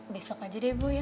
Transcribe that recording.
besok aja deh bu ya